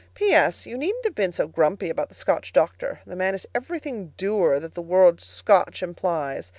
P.S. You needn't have been so grumpy about the Scotch doctor. The man is everything dour that the word "Scotch" implies.